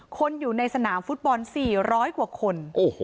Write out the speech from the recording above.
คนอยู่ในสนามฟุตบอล๔๐๐กว่าคน